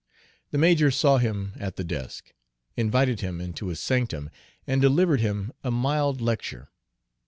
The major saw him at the desk, invited him into his sanctum, and delivered him a mild lecture.